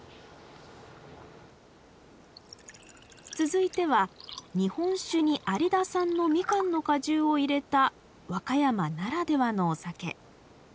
続いては日本酒に有田産のみかんの果汁を入れた和歌山ならではのお酒。